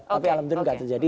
tapi alhamdulillah tidak terjadi